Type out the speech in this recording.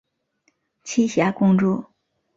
栖霞公主。